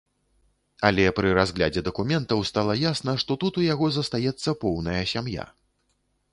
Але пры разглядзе дакументаў стала ясна, што тут у яго застаецца поўная сям'я.